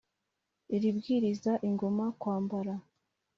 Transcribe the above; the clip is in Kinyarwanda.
iribwiriza ingoma kwambara.